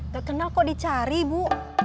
gak kenal kok dicari bu